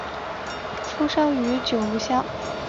出生于九如乡。